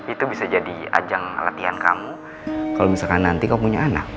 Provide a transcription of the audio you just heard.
itu bisa jadi ajang latihan kamu kalau misalkan nanti kamu punya anak